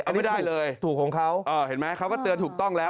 อันนี้ได้เลยถูกของเขาเห็นไหมเขาก็เตือนถูกต้องแล้ว